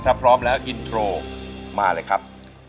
ถ้าพร้อมแล้วอินโทรมาเลยครับ